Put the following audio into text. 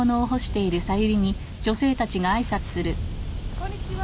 こんにちは。